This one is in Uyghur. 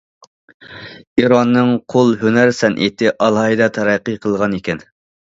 ئىراننىڭ قول ھۈنەر سەنئىتى ئالاھىدە تەرەققىي قىلغان ئىكەن.